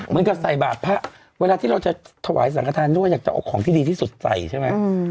มันก็ใส่บาปเพราะเวลาที่เราจะถวายสังคมธรรมด้วยอยากจะออกของที่ดีที่สุดใส่ใช่ไหม